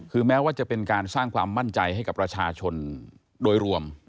คือแม้ว่าจะเป็นการสร้างความมั่นใจให้กับประชาชนโดยรวม